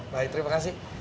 baik terima kasih